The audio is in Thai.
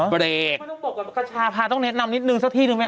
เปรกไม่ต้องบอกว่ากระชาพาต้องแนะนำนิดนึงสักที่นึงแม่ง